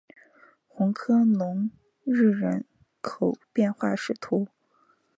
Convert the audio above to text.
红科隆日人口变化图示